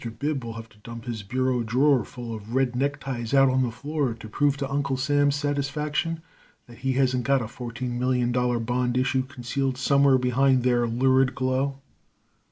Bib will have to dump his bureau drawer full of red neckties out on the floor to prove to Uncle Sam's satisfaction that he hasn't got a fourteen million dollar bond issue concealed somewhere behind their lurid glow.